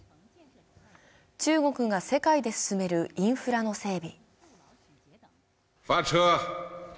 中国が世界で進めるインフラの整備。